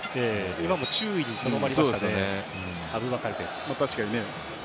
今も注意にとどまりましたね。